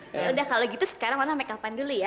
ya udah kalau gitu sekarang tante makeup an dulu ya